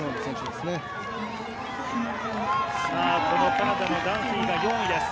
カナダのダンフィーが４位です。